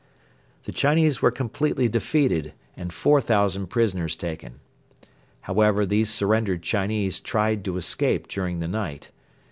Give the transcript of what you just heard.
The Chinese were completely defeated and four thousand prisoners taken. However, these surrendered Chinese tried to escape during the night.